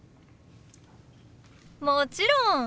もちろん。